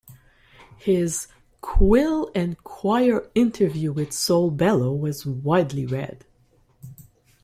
His "Quill and Quire" interview with Saul Bellow was widely read.